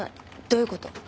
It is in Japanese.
どういうこと？